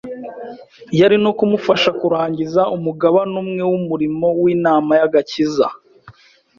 yari no kumufasha kurangiza umugabane umwe w’umurimo w’inama y’agakiza.